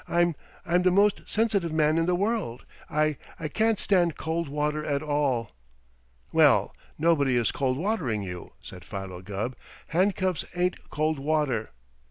I'm I'm the most sensitive man in the world. I I can't stand cold water at all." "Well, nobody is cold watering you," said Philo Gubb. "Handcuffs ain't cold water."